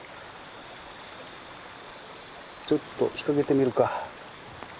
ちょっと引っ掛けてみるか。